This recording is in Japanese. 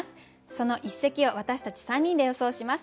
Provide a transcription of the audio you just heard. その一席を私たち３人で予想します。